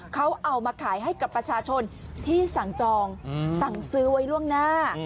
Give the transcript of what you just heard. เขาเอามาขายให้กับประชาชนที่สั่งจองสั่งซื้อไว้ล่วงหน้า